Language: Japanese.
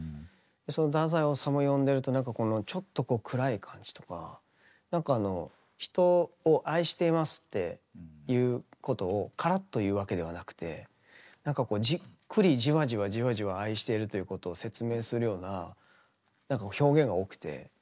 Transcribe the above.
太宰治読んでるとなんかこのちょっと暗い感じとかなんかあの「人を愛しています」っていうことをカラッと言うわけではなくてなんかこうじっくりじわじわじわじわ愛しているということを説明するような表現が多くて。